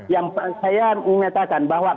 yang saya ingin mengatakan bahwa